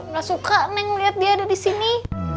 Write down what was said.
gak suka neng liat dia ada disini